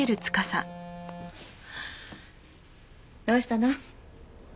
どうしたの？